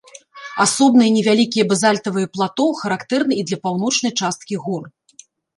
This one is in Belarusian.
Асобныя невялікія базальтавыя плато характэрны і для паўночнай часткі гор.